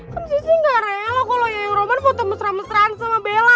kamu sih gak rela kalo yaya roman foto mesra mesraan sama bella